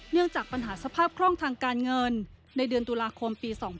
เนื่องจากปัญหาสภาพคล่องทางการเงินในเดือนตุลาคมปี๒๕๖